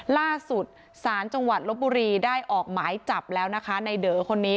ล่าสุดศาลจังหวัดลบบุรีได้ออกหมายจับแล้วนะคะในเดอคนนี้